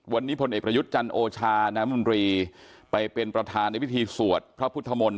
วันนี้พลเอกประยุทธ์จันทร์โอชาน้ำมนตรีไปเป็นประธานในพิธีสวดพระพุทธมนตร์